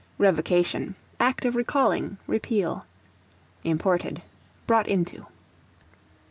Revocation, act of recalling, repeal. Imported, brought into.